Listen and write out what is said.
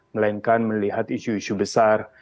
melainkan melihat isu isu besar